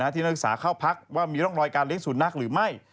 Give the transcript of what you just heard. ที่นักศึกษาเข้าพักว่ามีร่องรอยการเลี้ยสุนัขหรือไม่